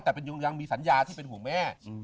แต่ยังมีสัญญาที่เป็นห่วงแม่